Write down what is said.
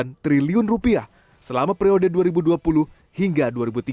hingga satu ratus enam puluh sembilan triliun rupiah selama periode dua ribu dua puluh hingga dua ribu tiga puluh